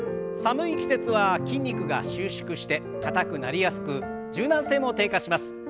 寒い季節は筋肉が収縮して硬くなりやすく柔軟性も低下します。